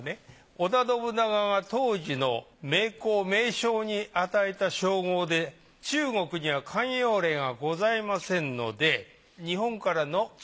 織田信長が当時の名工名匠に与えた称号で中国には慣用例がございませんので日本からの注文と言えますね。